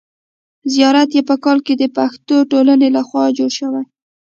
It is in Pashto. زیارت یې په کال کې د پښتو ټولنې له خوا جوړ شوی.